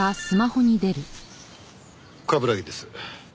冠城です。